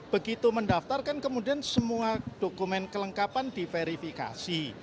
begitu mendaftarkan kemudian semua dokumen kelengkapan diverifikasi